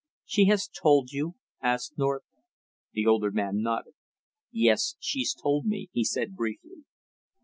"She has told you?" asked North. The older man nodded. "Yes, she's told me," he said briefly.